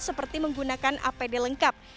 seperti menggunakan apd lengkap